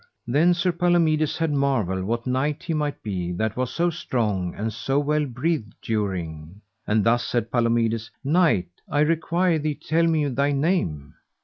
Then Sir Palomides had marvel what knight he might be that was so strong and so well breathed during, and thus said Palomides: Knight, I require thee tell me thy name.